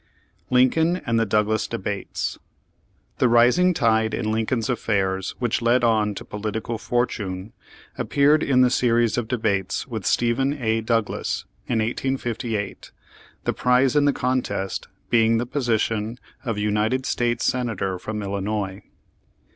LmCOLU AKD THE DOUGLAS DEBATES The rising tide in Lincoln's affairs which led on to political fortune, appeared in the series of debates with Stephen A. Douglas in 1858, the prize in the contest being the position of United States Senator from Illinois.